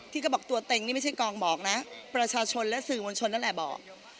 เขาบอกตัวเต็งนี่ไม่ใช่กองบอกนะประชาชนและสื่อมวลชนนั่นแหละบอก